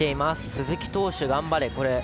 鈴木投手、頑張れ。